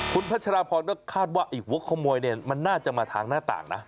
คุณพัชราพรก็คาดว่าไอ้หัวขโมยเนี่ยมันน่าจะมาทางหน้าต่างนะ